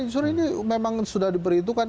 unsur ini memang sudah diperhitungkan